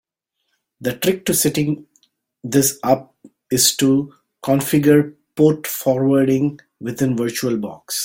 The trick to setting this up is to configure port forwarding within Virtual Box.